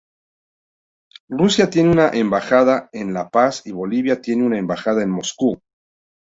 Rusia tiene una embajada en La Paz y Bolivia tiene una embajada en Moscú.